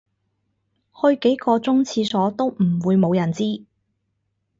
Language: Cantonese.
去幾個鐘廁所都唔會無人知